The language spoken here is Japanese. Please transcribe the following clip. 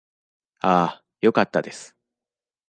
ああ、よかったです。